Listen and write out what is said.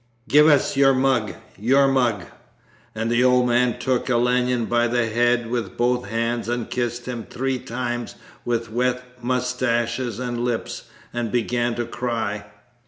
'Give us your mug, your mug!' And the old man took Olenin by the head with both hands and kissed him three times with wet moustaches and lips, and began to cry.